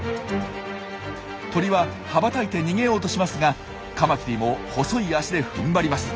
鳥は羽ばたいて逃げようとしますがカマキリも細い脚で踏ん張ります。